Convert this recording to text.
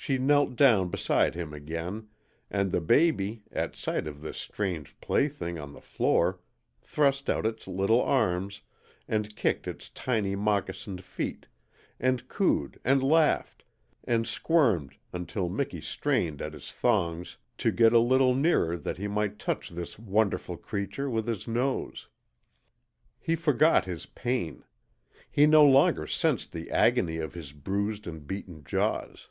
She knelt down beside him again, and the baby, at sight of this strange plaything on the floor, thrust out its little arms, and kicked its tiny moccasined feet, and cooed and laughed and squirmed until Miki strained at his thongs to get a little nearer that he might touch this wonderful creature with his nose. He forgot his pain. He no longer sensed the agony of his bruised and beaten jaws.